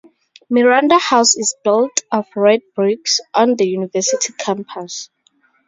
Miranda House is built of red bricks on the university campus.